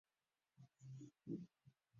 The man who loved women